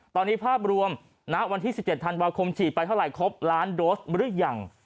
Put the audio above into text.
ตอนนี้ภาพรวมณวันที่๑๗ธันวาคมฉีดไปเท่าไหร่ครบล้านโดสหรือยัง